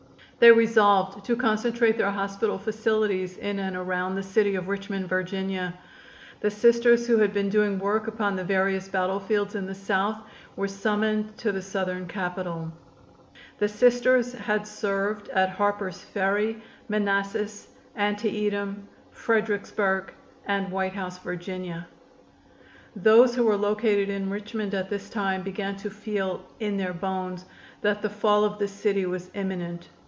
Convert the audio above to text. They resolved to concentrate their hospital facilities in and around the city of Richmond, Va. The Sisters who had been doing work upon the various battlefields in the South were summoned to the Southern Capital. The Sisters had served at Harper's Ferry, Manassas, Antietam, Fredericksburg and White House, Va. Those who were located in Richmond at this time began to feel "in their bones" that the fall of the city was imminent.